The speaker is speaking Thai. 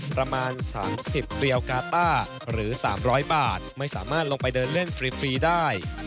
ประมาณ๓๐เรียวกาต้าหรือ๓๐๐บาทไม่สามารถลงไปเดินเล่นฟรีได้